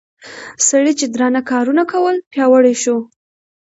سړي چې درانه کارونه کول پياوړى شو